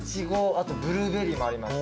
あとブルーベリーもあります。